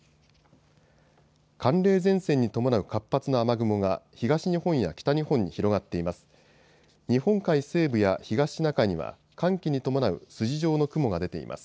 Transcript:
寒冷前線に伴う活発な雨雲が東日本や北日本に広がっています。